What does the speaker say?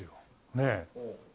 ねえ。